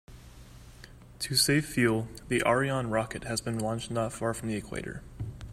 To save fuel, the Ariane rocket has been launched not far from the equator.